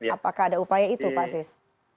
apakah ada upaya itu pak sis